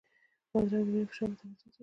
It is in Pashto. بادرنګ د وینې فشار متوازن ساتي.